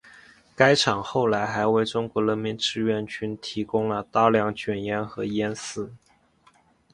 该厂后来还为中国人民志愿军提供了大量卷烟和烟丝。